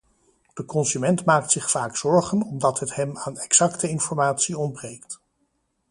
De consument maakt zich vaak zorgen omdat het hem aan exacte informatie ontbreekt.